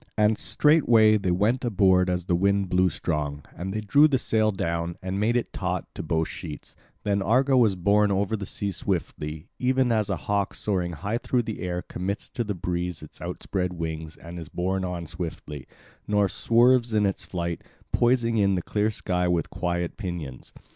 And straightway they went aboard as the wind blew strong; and they drew the sail down, and made it taut to both sheets; then Argo was borne over the sea swiftly, even as a hawk soaring high through the air commits to the breeze its outspread wings and is borne on swiftly, nor swerves in its flight, poising in the clear sky with quiet pinions.